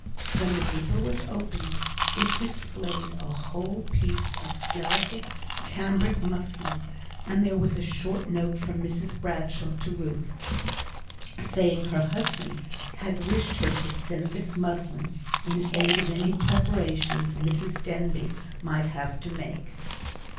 When the paper was opened, it displayed a whole piece of delicate cambric muslin; and there was a short note from Mrs Bradshaw to Ruth, saying her husband had wished her to send this muslin in aid of any preparations Mrs Denbigh might have to make.